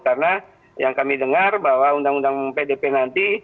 karena yang kami dengar bahwa undang undang pdp nanti